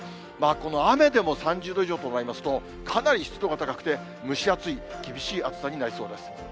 この雨でも３０度以上となりますと、かなり湿度が高くて、蒸し暑い、厳しい暑さになりそうです。